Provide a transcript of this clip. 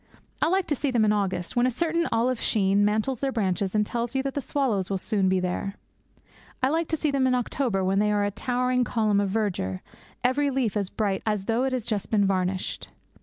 I like to see them in August, when a certain olive sheen mantles their branches and tells you that the swallows will soon be here. I like to see them in October, when they are a towering column of verdure, every leaf as bright as though it has just been varnished.